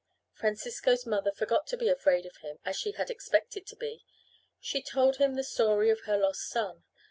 Francisco's mother forgot to be afraid of him as she had expected to be. She told him the story of her lost son.